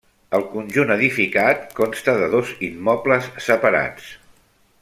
El conjunt edificat consta de dos immobles separats.